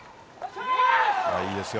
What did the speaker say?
いいですよ。